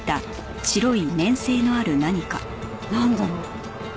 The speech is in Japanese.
なんだろう？